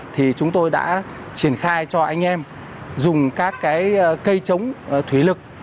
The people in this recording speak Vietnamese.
thì chúng tôi đã triển khai cho anh em dùng các cái cây chống thủy lực